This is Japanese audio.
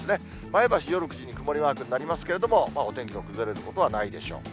前橋、夜９時に曇りマークになりますけれども、お天気の崩れることはないでしょう。